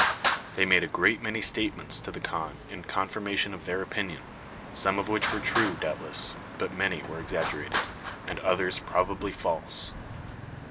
They made a great many statements to the khan in confirmation of their opinion, some of which were true doubtless, but many were exaggerated, and others probably false.